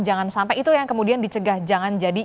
jangan sampai itu yang kemudian dicegah jangan jadi